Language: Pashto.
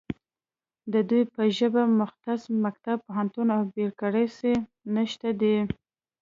د دوی په ژبه مختص مکتب، پوهنتون او بیرکراسي نشته دی